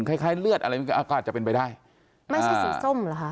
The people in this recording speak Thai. คล้ายเลือดอะไรมันก็อาจจะเป็นไปได้ไม่ใช่สีส้มเหรอคะ